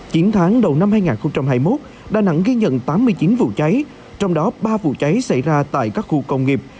chín tháng đầu năm hai nghìn hai mươi một đà nẵng ghi nhận tám mươi chín vụ cháy trong đó ba vụ cháy xảy ra tại các khu công nghiệp